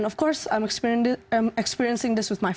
dan tentu saja saya mengalami ini dengan teman teman saya